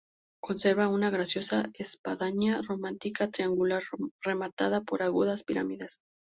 Conserva una graciosa espadaña románica triangular rematada por agudas pirámides.